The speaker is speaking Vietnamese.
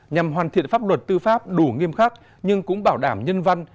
nhằm hoàn thiện pháp luật tư pháp đủ nghiêm khắc nhưng cũng bảo đảm nhân văn